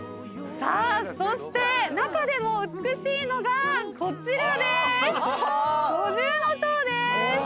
さあそして中でも美しいのがこちらです。